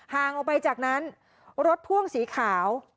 ห่างออกไปจากนั้นรถพ่วงสีขาว